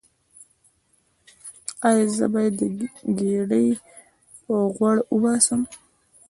ایا زه باید د ګیډې غوړ وباسم؟